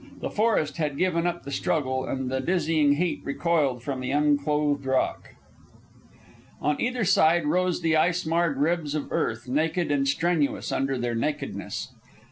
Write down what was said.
The forest had given up the struggle, and the dizzying heat recoiled from the unclothed rock. On either hand rose the ice marred ribs of earth, naked and strenuous in their nakedness.